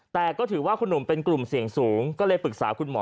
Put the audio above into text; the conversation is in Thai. แต่ก็ถือว่าคุณหนุ่มเป็นกลุ่มเสี่ยงสูงก็เลยปรึกษาคุณหมอ